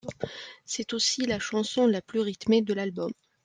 C'est aussi la chanson la plus rythmée de l'album.